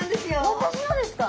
私のですか？